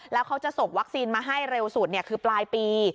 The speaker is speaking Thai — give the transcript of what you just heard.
แล้วเขาจะส่งวัคซีนมาให้เร็วสุดคือปลายปี